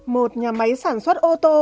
một nhà máy sản xuất ô tô